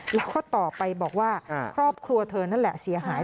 แล้วก็ต่อไปบอกว่าครอบครัวเธอนั่นแหละเสียหาย